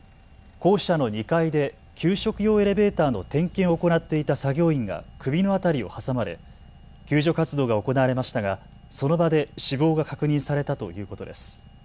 校舎の２階で給食用エレベーターの点検を行っていた作業員が首の辺りを挟まれ救助活動が行われましたがその場で死亡が確認されたということです。